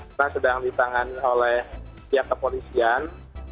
sekarang sedang ditangani oleh pihak kepolisian